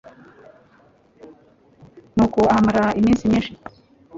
nuko ahamara iminsi myinshi